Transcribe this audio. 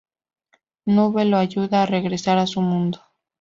Nube lo ayuda a regresar a su mundo.